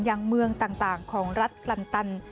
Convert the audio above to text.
ยังเมืองต่างของรัฐคลันตัน